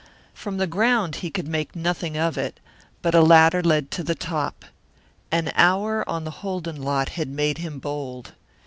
From the ground he could make nothing of it, but a ladder led to the top. An hour on the Holden lot had made him bold.